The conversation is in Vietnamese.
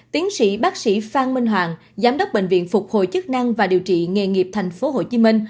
tiến sĩ bác sĩ phan minh hoàng giám đốc bệnh viện phục hồi chức năng và điều trị nghề nghiệp tp hcm